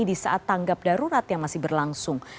di saat tanggap darurat yang masih berlangsung